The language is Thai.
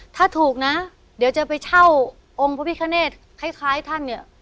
ถ้าถูกนะเดี๋ยวจะไปเช่าองค์พระพิคเนตคล้ายท่านเนี่ย